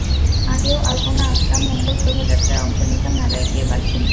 আগেও আলপনা আঁকতাম, মঙ্গল শোভাযাত্রায় অংশ নিতাম, মেলায় গিয়ে বাঁশি কিনতাম।